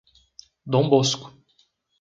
Dom Bosco